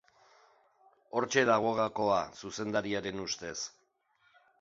Hortxe dago gakoa, zuzendariaren ustez.